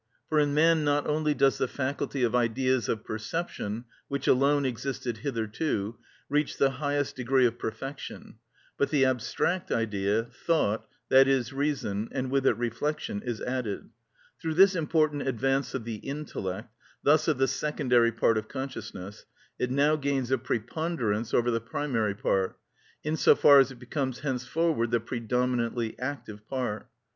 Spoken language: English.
For in man not only does the faculty of ideas of perception, which alone existed hitherto, reach the highest degree of perfection, but the abstract idea, thought, i.e., reason, and with it reflection, is added. Through this important advance of the intellect, thus of the secondary part of consciousness, it now gains a preponderance over the primary part, in so far as it becomes henceforward the predominantly active part.